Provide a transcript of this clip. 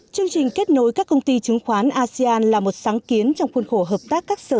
chương trình kết nối các công ty chứng khoán asean là một sáng kiến trong khuôn khổ hợp tác các sự